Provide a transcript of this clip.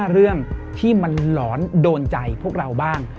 เรื่องที่มันหลอนโดนใจพวกเราบ้าง